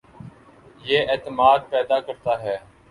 یہ اعتماد پیدا کرتا ہے